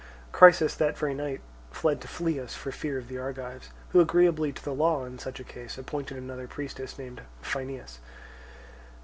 Chrysis that very night fled to Phlius for fear of the Argives, who, agreeably to the law in such a case, appointed another priestess named Phaeinis.